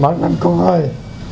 ba ghen đừng có lo lắng gì ở nhà